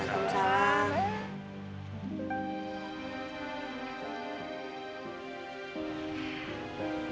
kalau itu salah